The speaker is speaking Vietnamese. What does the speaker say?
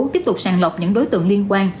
tiếp tục sàn lọc những đối tượng liên quan